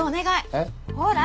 えっ？ほら！